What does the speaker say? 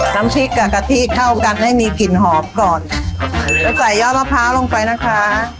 น้ำพริกกับกะทิเข้ากันให้มีกลิ่นหอมก่อนจะใส่ยอดมะพร้าวลงไปนะคะ